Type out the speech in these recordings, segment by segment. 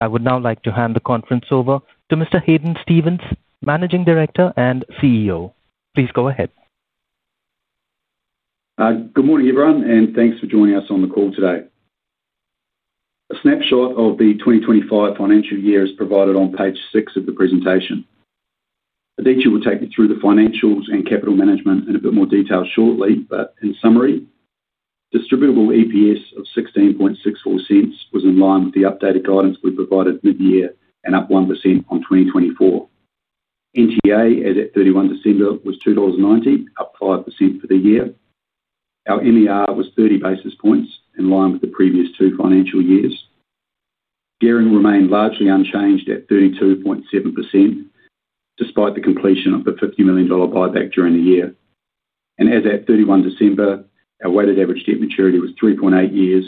I would now like to hand the conference over to Mr. Hadyn Stevens, Managing Director and CEO. Please go ahead. Good morning, everyone, and thanks for joining us on the call today. A snapshot of the 2025 financial year is provided on page six of the presentation. Aditya will take you through the financials and capital management in a bit more detail shortly, but in summary, distributable EPS of 0.1664 was in line with the updated guidance we provided mid-year and up 1% on 2024. NTA, as at 31 December, was 2.90 dollars, up 5% for the year. Our MER was 30 basis points, in line with the previous two financial years. Gearing remained largely unchanged at 32.7%, despite the completion of the 50 million dollar buyback during the year. As at 31 December, our weighted average debt maturity was 3.8 years,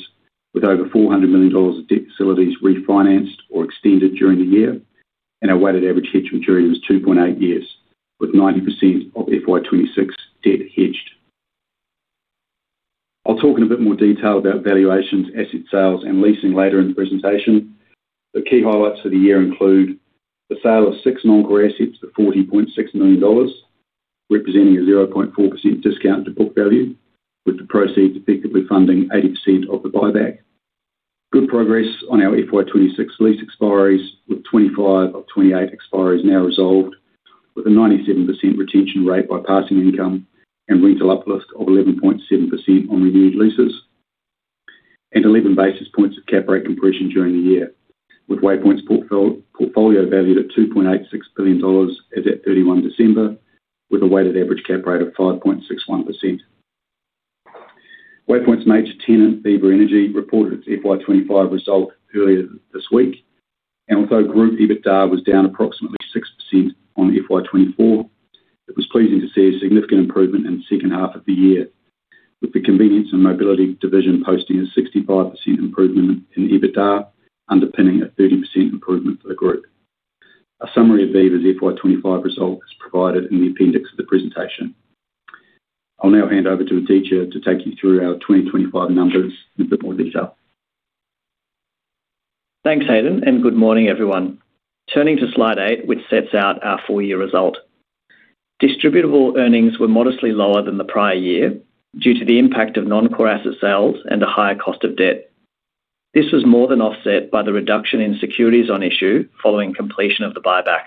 with over 400 million dollars of debt facilities refinanced or extended during the year, and our weighted average hedge maturity was 2.8 years, with 90% of FY26 debt hedged. I'll talk in a bit more detail about valuations, asset sales, and leasing later in the presentation. The key highlights for the year include: the sale of six non-core assets for 40.6 million dollars, representing a 0.4% discount to book value, with the proceeds effectively funding 80% of the buyback. Good progress on our FY 2026 lease expiries, with 25 of 28 expiries now resolved, with a 97% retention rate by passing income and rental uplift of 11.7% on renewed leases, and 11 basis points of cap rate compression during the year, with Waypoint's portfolio valued at 2.86 billion dollars as at 31 December, with a weighted average cap rate of 5.61%. Although group EBITDA was down approximately 6% on FY 2024, it was pleasing to see a significant improvement in the second half of the year, with the Convenience and Mobility division posting a 65% improvement in EBITDA, underpinning a 30% improvement for the group. A summary of Viva's FY 2025 results is provided in the appendix of the presentation. I'll now hand over to Aditya to take you through our 2025 numbers in a bit more detail. Thanks, Hadyn. Good morning, everyone. Turning to slide eight, which sets out our full year result. Distributable earnings were modestly lower than the prior year due to the impact of non-core asset sales and a higher cost of debt. This was more than offset by the reduction in securities on issue following completion of the buyback.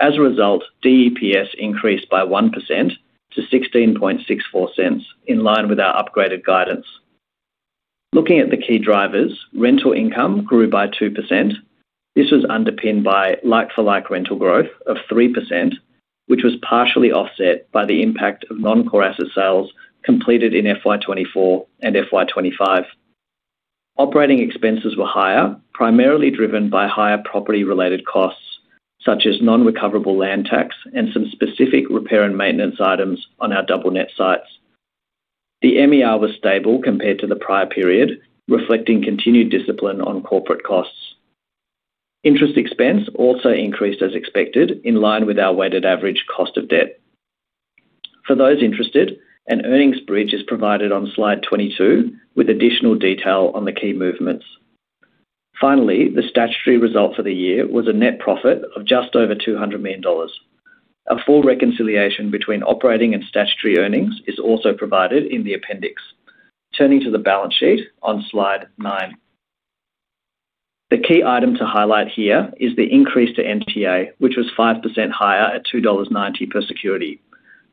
As a result, DEPS increased by 1% to 0.1664, in line with our upgraded guidance. Looking at the key drivers, rental income grew by 2%. This was underpinned by like-for-like rental growth of 3%, which was partially offset by the impact of non-core asset sales completed in FY 2024 and FY 2025. Operating expenses were higher, primarily driven by higher property-related costs, such as non-recoverable land tax and some specific repair and maintenance items on our double net sites. The MER was stable compared to the prior period, reflecting continued discipline on corporate costs. Interest expense also increased as expected, in line with our weighted average cost of debt. For those interested, an earnings bridge is provided on slide 22, with additional detail on the key movements. Finally, the statutory result for the year was a net profit of just over 200 million dollars. A full reconciliation between operating and statutory earnings is also provided in the appendix. Turning to the balance sheet on slide nine. The key item to highlight here is the increase to NTA, which was 5% higher at 2.90 dollars per security.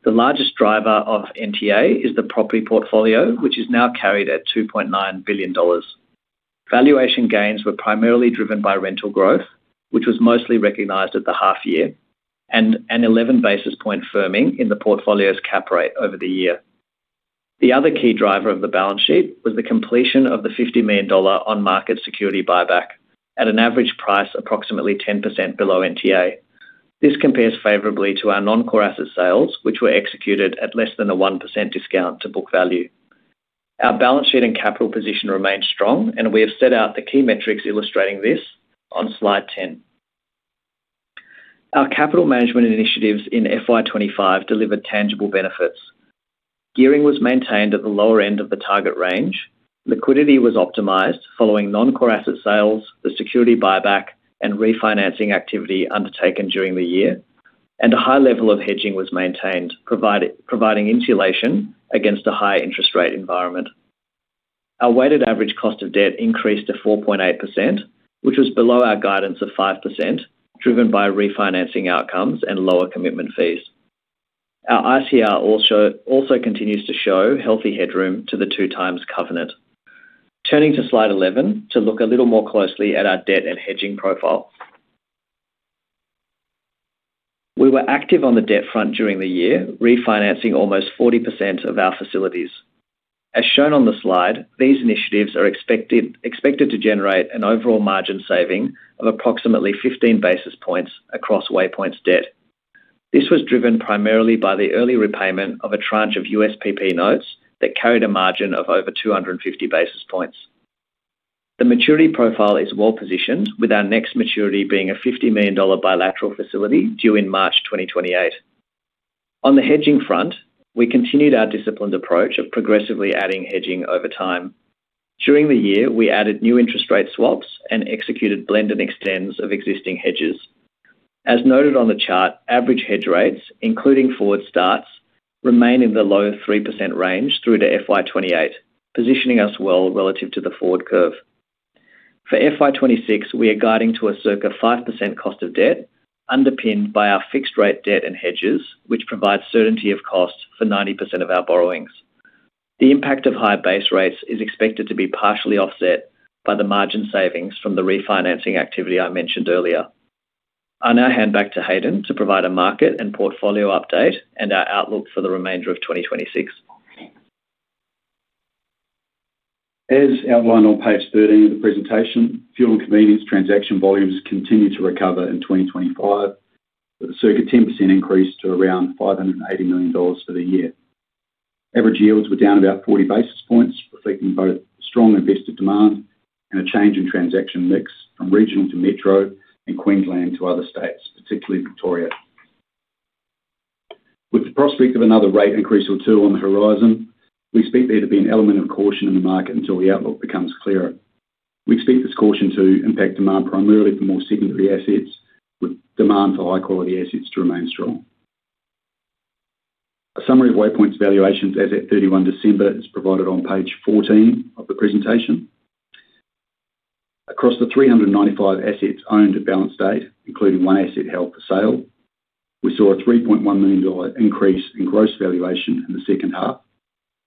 The largest driver of NTA is the property portfolio, which is now carried at 2.9 billion dollars. Valuation gains were primarily driven by rental growth, which was mostly recognized at the half year and an 11 basis point firming in the portfolio's cap rate over the year. The other key driver of the balance sheet was the completion of the 50 million dollar on-market security buyback at an average price, approximately 10% below NTA. This compares favorably to our non-core asset sales, which were executed at less than a 1% discount to book value. Our balance sheet and capital position remains strong, and we have set out the key metrics illustrating this on slide 10. Our capital management initiatives in FY25 delivered tangible benefits. Gearing was maintained at the lower end of the target range. Liquidity was optimized following non-core asset sales, the security buyback and refinancing activity undertaken during the year, and a high level of hedging was maintained, providing insulation against a higher interest rate environment. Our weighted average cost of debt increased to 4.8%, which was below our guidance of 5%, driven by refinancing outcomes and lower commitment fees. Our ICR also continues to show healthy headroom to the 2 times covenant. Turning to slide 11, to look a little more closely at our debt and hedging profile. We were active on the debt front during the year, refinancing almost 40% of our facilities. As shown on the slide, these initiatives are expected to generate an overall margin saving of approximately 15 basis points across Waypoint's debt. This was driven primarily by the early repayment of a tranche of USPP notes that carried a margin of over 250 basis points. The maturity profile is well positioned, with our next maturity being an 50 million dollar bilateral facility due in March 2028. The hedging front, we continued our disciplined approach of progressively adding hedging over time. During the year, we added new interest rate swaps and executed blend and extends of existing hedges. As noted on the chart, average hedge rates, including forward starts, remain in the low 3% range through to FY 2028, positioning us well relative to the forward curve. For FY 2026, we are guiding to a circa 5% cost of debt, underpinned by our fixed rate debt and hedges, which provides certainty of cost for 90% of our borrowings. The impact of higher base rates is expected to be partially offset by the margin savings from the refinancing activity I mentioned earlier. I now hand back to Hadyn to provide a market and portfolio update and our outlook for the remainder of 2026. As outlined on page 13 of the presentation, fuel and convenience transaction volumes continued to recover in 2025, with a circa 10% increase to around 580 million dollars for the year. Average yields were down about 40 basis points, reflecting both strong investor demand and a change in transaction mix from regional to metro and Queensland to other states, particularly Victoria. With the prospect of another rate increase or two on the horizon, we expect there to be an element of caution in the market until the outlook becomes clearer. We expect this caution to impact demand primarily for more secondary assets, with demand for high-quality assets to remain strong. A summary of Waypoint's valuations as at 31 December is provided on page 14 of the presentation. Across the 395 assets owned at balance date, including one asset held for sale, we saw an 3.1 million dollar increase in gross valuation in the second half,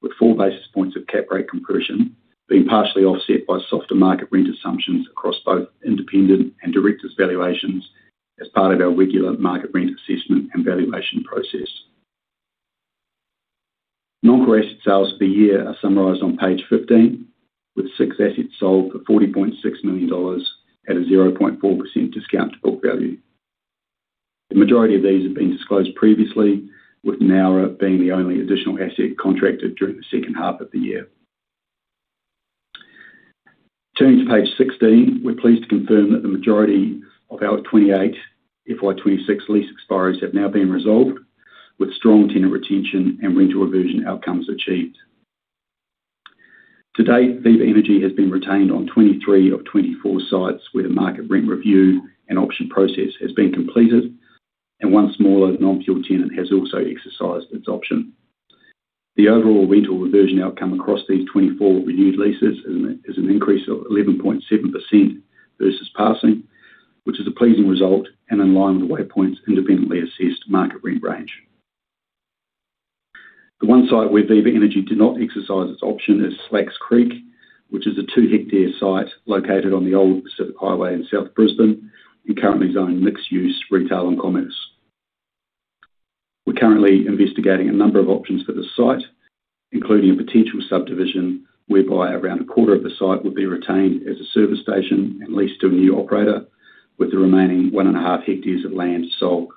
with four basis points of cap rate compression being partially offset by softer market rent assumptions across both independent and directors' valuations as part of our regular market rent assessment and valuation process. Non-core asset sales for the year are summarized on page 15, with six assets sold for 40.6 million dollars at a 0.4% discount to book value. The majority of these have been disclosed previously, with Nowra being the only additional asset contracted during the second half of the year. Turning to page 16, we're pleased to confirm that the majority of our 28 FY 2026 lease expiries have now been resolved, with strong tenant retention and rental reversion outcomes achieved. To date, Viva Energy has been retained on 23 of 24 sites, where the market rent review and auction process has been completed, and one smaller non-fuel tenant has also exercised its option. The overall rental reversion outcome across these 24 renewed leases is an increase of 11.7% versus passing, which is a pleasing result and in line with Waypoint's independently assessed market rent range. The one site where Viva Energy did not exercise its option is Slacks Creek, which is a 2-hectare site located on the old Pacific Highway in South Brisbane and currently zoned mixed use, retail, and commerce. We're currently investigating a number of options for the site, including a potential subdivision, whereby around a quarter of the site would be retained as a service station and leased to a new operator, with the remaining one and a half hectares of land sold.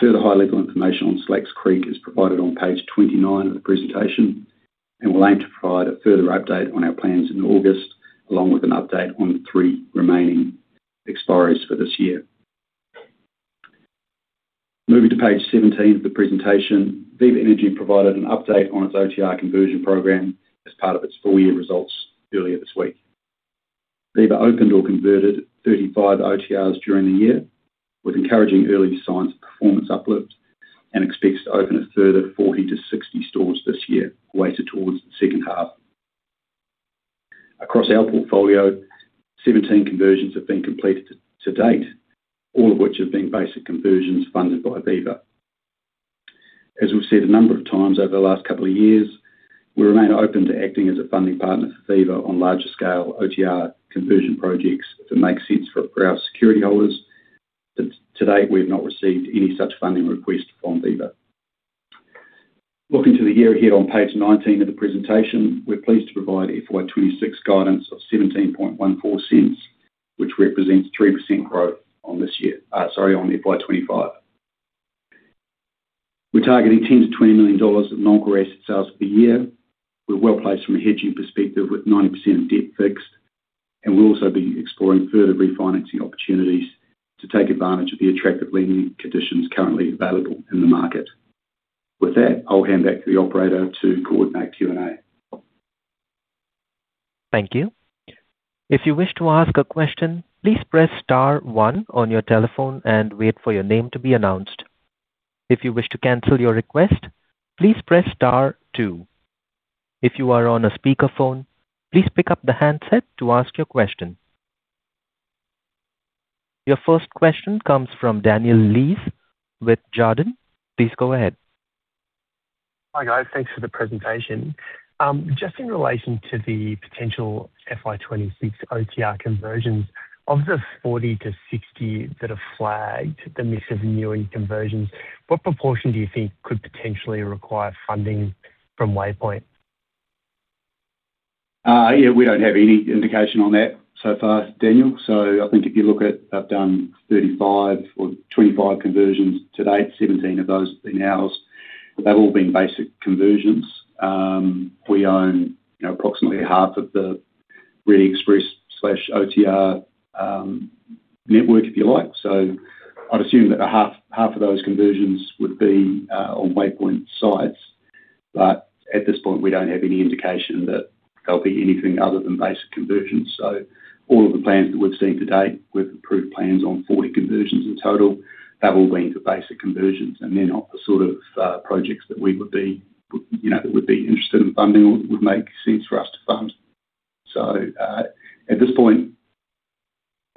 Further high-level information on Slacks Creek is provided on page 29 of the presentation. We'll aim to provide a further update on our plans in August, along with an update on the three remaining expiries for this year. Moving to page 17 of the presentation, Viva Energy provided an update on its OTR conversion program as part of its full year results earlier this week. Viva opened or converted 35 OTRs during the year, with encouraging early signs of performance uplift. Expects to open a further 40 to 60 stores this year, weighted towards the second half. Across our portfolio, 17 conversions have been completed to date, all of which have been basic conversions funded by Viva. As we've said a number of times over the last couple of years, we remain open to acting as a funding partner for Viva on larger scale OTR conversion projects that make sense for our security holders. To date, we have not received any such funding request from Viva. Looking to the year ahead on page 19 of the presentation, we're pleased to provide FY 2026 guidance of 0.1714, which represents 3% growth on FY 2025. We're targeting $10 million-$20 million of non-core asset sales per year. We're well placed from a hedging perspective, with 90% of debt fixed. We'll also be exploring further refinancing opportunities to take advantage of the attractive lending conditions currently available in the market. With that, I'll hand back to the operator to coordinate Q&A. Thank you. If you wish to ask a question, please press star one on your telephone and wait for your name to be announced. If you wish to cancel your request, please press star two. If you are on a speakerphone, please pick up the handset to ask your question. Your first question comes from Daniel Lease with Jarden. Please go ahead. Hi, guys. Thanks for the presentation. Just in relation to the potential FY 26 OTR conversions, of the 40-60 that have flagged the mix of new conversions, what proportion do you think could potentially require funding from Waypoint? Yeah, we don't have any indication on that so far, Daniel. I think if you look at, I've done 35 or 25 conversions to date, 17 of those have been ours. They've all been basic conversions. We own, you know, approximately half of the Reddy Express/OTR network, if you like. I'd assume that a half of those conversions would be on Waypoint sites. At this point, we don't have any indication that they'll be anything other than basic conversions. All of the plans that we've seen to date, we've approved plans on 40 conversions in total. They've all been for basic conversions, and they're not the sort of projects that we would be, you know, that we'd be interested in funding or would make sense for us to fund. At this point,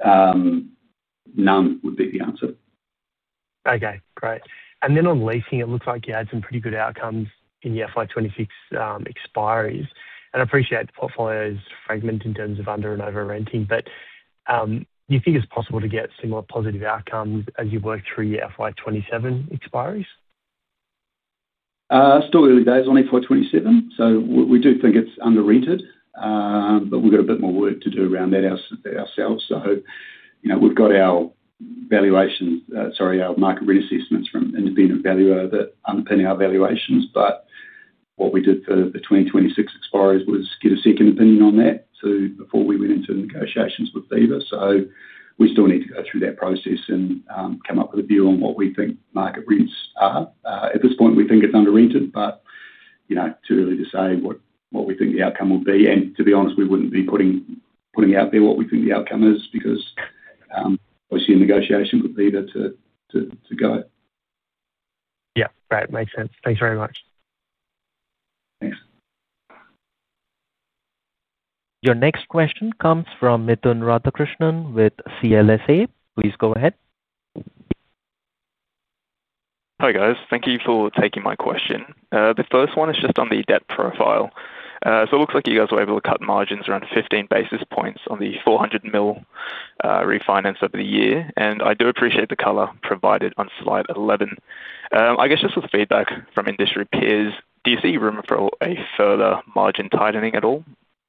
none would be the answer. Okay, great. On leasing, it looks like you had some pretty good outcomes in the FY 2026 expiries. I appreciate the portfolio is fragment in terms of under and over renting. Do you think it's possible to get similar positive outcomes as you work through your FY 2027 expiries? Still early days on FY27, we do think it's under-rented. We've got a bit more work to do around that ourselves. You know, we've got our valuations, sorry, our market reassessments from independent valuer that underpinning our valuations. What we did for the 2026 expiries was get a second opinion on that before we went into negotiations with Viva. We still need to go through that process and come up with a view on what we think market rents are. At this point, we think it's under-rented, you know, too early to say what we think the outcome will be. To be honest, we wouldn't be putting out there what we think the outcome is because obviously in negotiation with Viva to go. Yeah, great. Makes sense. Thanks very much. Thanks. Your next question comes from Mithun Radhakrishnan with CLSA. Please go ahead. Hi, guys. Thank you for taking my question. The first one is just on the debt profile. It looks like you guys were able to cut margins around 15 basis points on the 400 million refinance over the year, and I do appreciate the color provided on slide 11. I guess just with feedback from industry peers, do you see room for a further margin tightening at all?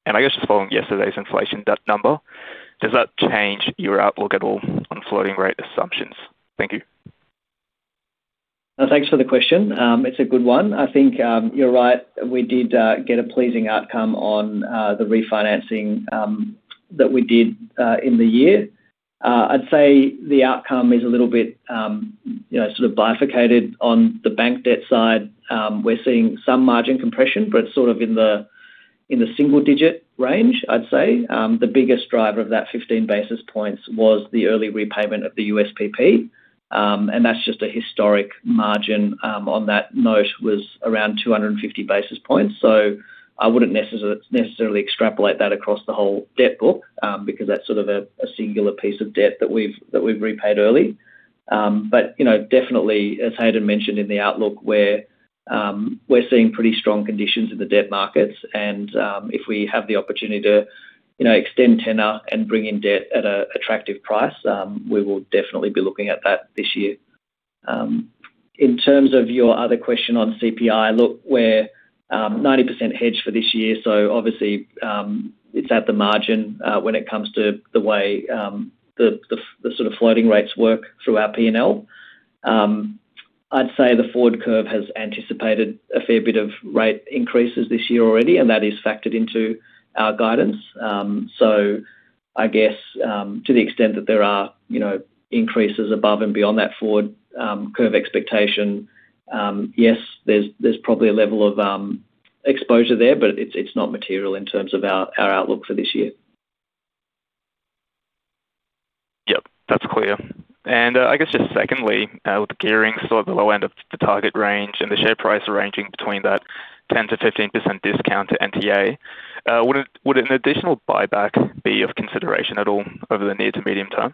I guess just following yesterday's inflation debt number, does that change your outlook at all on floating rate assumptions? Thank you. Thanks for the question. It's a good one. I think, you're right, we did get a pleasing outcome on the refinancing that we did in the year. I'd say the outcome is a little bit, you know, sort of bifurcated on the bank debt side. We're seeing some margin compression, but it's sort of in the single digit range, I'd say. The biggest driver of that 15 basis points was the early repayment of the USPP, and that's just a historic margin. On that note, was around 250 basis points. I wouldn't necessarily extrapolate that across the whole debt book, because that's sort of a singular piece of debt that we've repaid early. You know, definitely, as Hadyn mentioned in the outlook, we're seeing pretty strong conditions in the debt markets, and if we have the opportunity to, you know, extend tenor and bring in debt at a attractive price, we will definitely be looking at that this year. In terms of your other question on CPI, look, we're 90% hedged for this year, so obviously, it's at the margin when it comes to the way the sort of floating rates work through our PNL. I'd say the forward curve has anticipated a fair bit of rate increases this year already, and that is factored into our guidance. I guess, to the extent that there are, you know, increases above and beyond that forward, curve expectation, yes, there's probably a level of exposure there, but it's not material in terms of our outlook for this year. Yep, that's clear. I guess just secondly, with the gearing sort of the low end of the target range and the share price ranging between that 10%-15% discount to NTA, would it, would an additional buyback be of consideration at all over the near to medium term?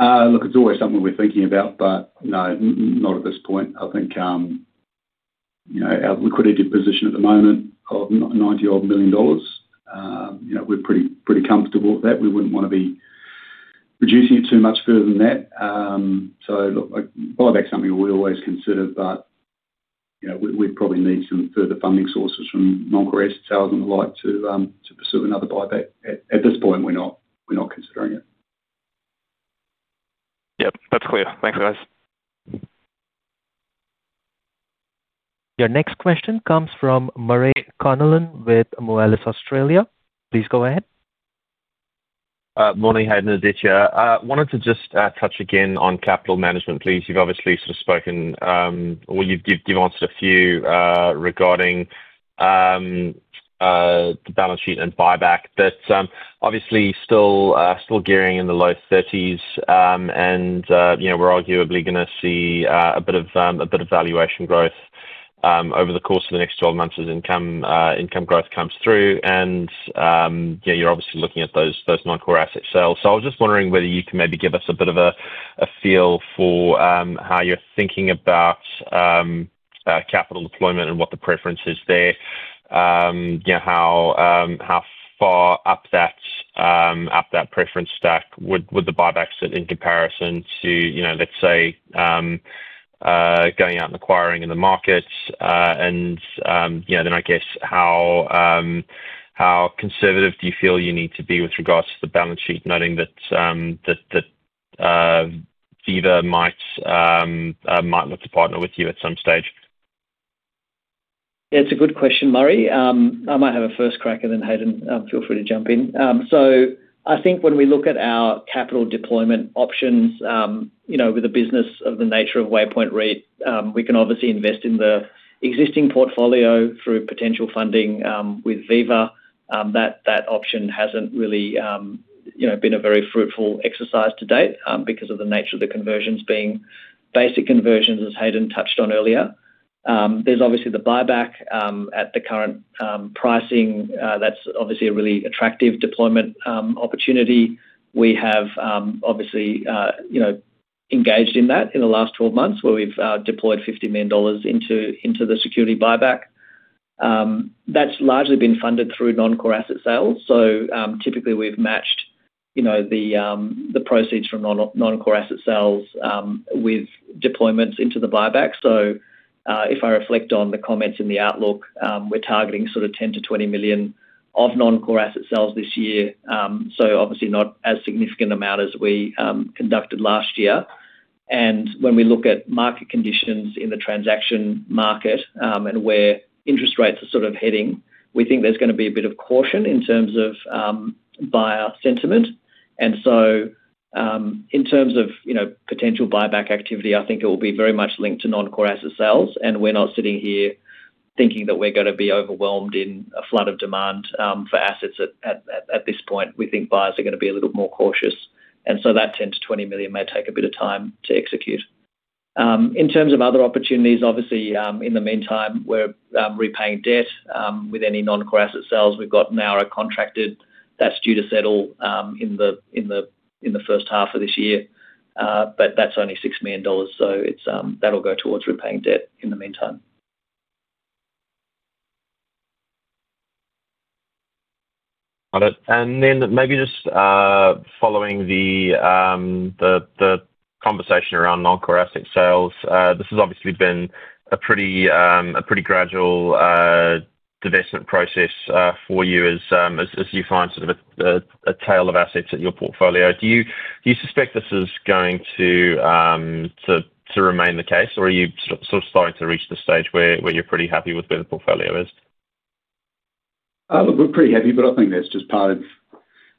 Look, it's always something we're thinking about, but not at this point. I think, you know, our liquidity position at the moment of 90 odd million, you know, we're pretty comfortable with that. We wouldn't wanna be reducing it too much further than that. Look, buyback is something we always consider, but, you know, we'd probably need some further funding sources from non-core asset sales and the like to pursue another buyback. At this point, we're not considering it. Yep, that's clear. Thanks, guys. Your next question comes from Murray Connellan with Moelis Australia. Please go ahead. Morning, Hadyn and Aditya. I wanted to just touch again on capital management, please. You've obviously sort of spoken, or you've answered a few regarding the balance sheet and buyback. Obviously still gearing in the low 30s, and, you know, we're arguably gonna see a bit of valuation growth over the course of the next 12 months as income income growth comes through, and, yeah, you're obviously looking at those non-core asset sales. I was just wondering whether you can maybe give us a bit of a feel for how you're thinking about capital deployment and what the preference is there. You know, how how far up that up that preference stack would the buyback sit in comparison to, you know, let's say, going out and acquiring in the markets? You know, then I guess how how conservative do you feel you need to be with regards to the balance sheet, noting that Viva might look to partner with you at some stage? Yeah, it's a good question, Murray. I might have a first crack, and then, Hadyn, feel free to jump in. I think when we look at our capital deployment options, you know, with a business of the nature of Waypoint REIT, we can obviously invest in the existing portfolio through potential funding with Viva. That, that option hasn't really, you know, been a very fruitful exercise to date because of the nature of the conversions being basic conversions, as Hadyn touched on earlier. There's obviously the buyback at the current pricing, that's obviously a really attractive deployment opportunity. We have, obviously, you know, engaged in that in the last 12 months, where we've deployed 50 million dollars into the security buyback. That's largely been funded through non-core asset sales. Typically, we've matched, you know, the proceeds from non-core asset sales with deployments into the buyback. If I reflect on the comments in the outlook, we're targeting sort of 10 million-20 million of non-core asset sales this year. Obviously not as significant amount as we conducted last year. When we look at market conditions in the transaction market, and where interest rates are sort of heading, we think there's gonna be a bit of caution in terms of buyer sentiment. In terms of, you know, potential buyback activity, I think it will be very much linked to non-core asset sales, and we're not sitting here thinking that we're gonna be overwhelmed in a flood of demand for assets at this point. We think buyers are gonna be a little more cautious. That 10 million-20 million may take a bit of time to execute. In terms of other opportunities, obviously, in the meantime, we're repaying debt with any non-core asset sales. We've got an hour contracted that's due to settle in the first half of this year. That's only 6 million dollars, so it's. That'll go towards repaying debt in the meantime. Got it. Maybe just following the conversation around non-core asset sales, this has obviously been a pretty gradual divestment process for you as you find sort of a tail of assets in your portfolio. Do you suspect this is going to remain the case, or are you sort of starting to reach the stage where you're pretty happy with where the portfolio is? Look, we're pretty happy, but I think that's just part of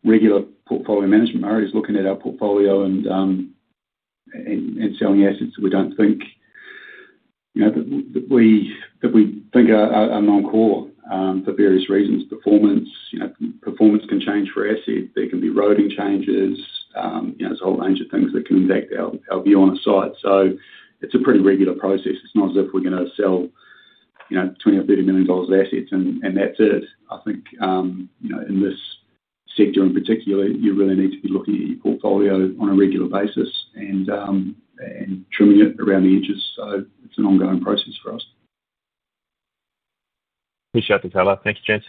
regular portfolio management. Murray is looking at our portfolio and selling assets that we don't think, you know, that we think are non-core, for various reasons. Performance, you know, performance can change for asset, there can be roading changes, you know, there's a whole range of things that can impact our view on a site. It's a pretty regular process. It's not as if we're gonna sell, you know, 20 million-30 million dollars of assets, and that's it. I think, you know, in this sector in particular, you really need to be looking at your portfolio on a regular basis and trimming it around the edges. It's an ongoing process for us. Appreciate the follow-up. Thank you, James.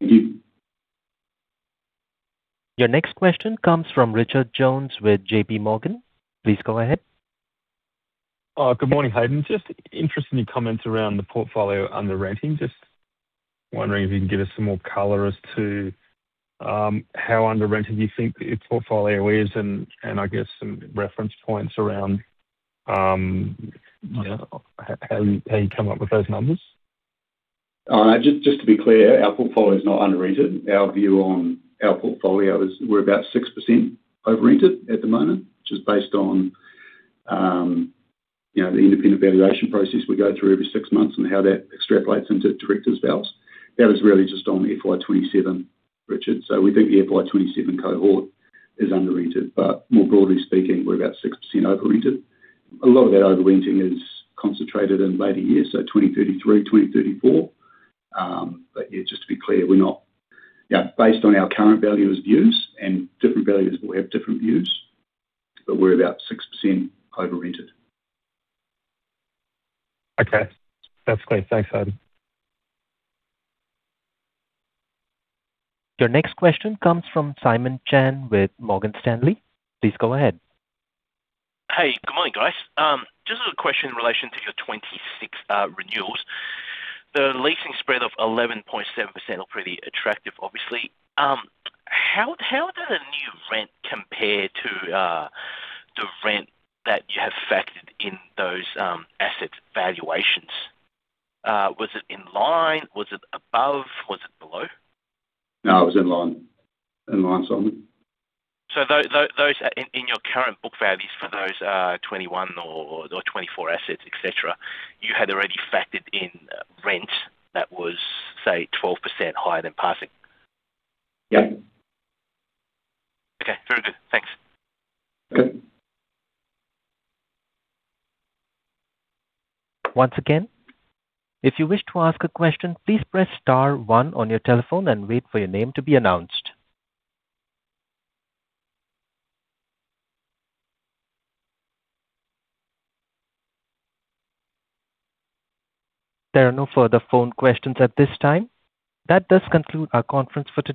Thank you. Your next question comes from Richard Jones with JP Morgan. Please go ahead. Good morning, Hadyn. Just interested in your comments around the portfolio under renting. Just wondering if you can give us some more color as to how under rented you think your portfolio is, and I guess some reference points around, you know, how you come up with those numbers? Just to be clear, our portfolio is not under rented. Our view on our portfolio is we're about 6% over rented at the moment, which is based on, you know, the independent valuation process we go through every six months and how that extrapolates into directors' valuations. That is really just on FY 2027, Richard. We think the FY 2027 cohort is under rented, but more broadly speaking, we're about 6% over rented. A lot of that over renting is concentrated in later years, so 2033, 2034. Just to be clear, Yeah, based on our current valuer's views, and different valuers will have different views, but we're about 6% over rented. Okay. That's great. Thanks, Hadyn. Your next question comes from Simon Chan with Morgan Stanley. Please go ahead. Hey, good morning, guys. Just a question in relation to your 2026 renewals. The leasing spread of 11.7% are pretty attractive, obviously. How did the new rent compare to the rent that you have factored in those asset valuations? Was it in line? Was it above? Was it below? No, it was in line. In line, Simon. Those, in your current book values for those, 21 or 24 assets, et cetera, you had already factored in, rent that was, say, 12% higher than passing? Yeah. Okay, very good. Thanks. Okay. Once again, if you wish to ask a question, please press star one on your telephone and wait for your name to be announced. There are no further phone questions at this time. That does conclude our conference for today.